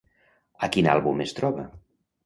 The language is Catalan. A quin àlbum es troba?